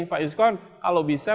pak yuskon kalau bisa